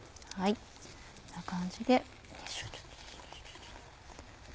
こんな感じで。